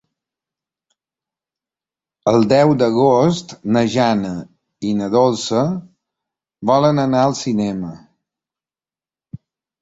El deu d'agost na Jana i na Dolça volen anar al cinema.